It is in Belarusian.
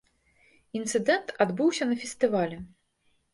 Інцыдэнт адбыўся на фестывалі.